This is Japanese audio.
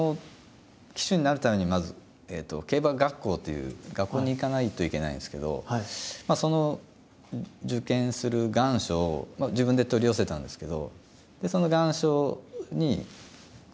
騎手になるためにまず競馬学校という学校に行かないといけないんですけどその受験する願書を自分で取り寄せたんですけど。